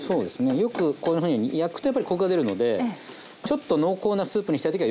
よくこんなふうに焼くとやっぱりコクが出るのでちょっと濃厚なスープにしたい時はよくやりますね。